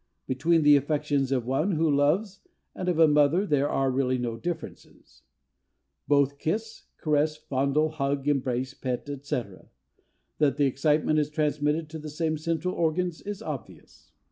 Between the affections of one who loves and of a mother there are really no differences. Both kiss, caress, fondle, hug, embrace, pet, etc. That the excitement is transmitted to the same central organs is obvious.